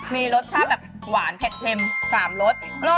มีรสชาติแบบหวานเผ็ดเค็ม๓รส